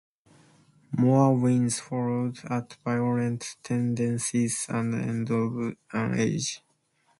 More wins followed at "Violent Tendencies" and "End of an Age".